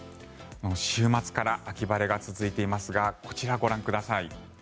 週末から秋晴れが続いていますがこちら、ご覧ください。